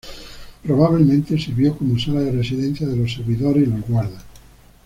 Probablemente sirvió como sala de residencia de los servidores y los guardas.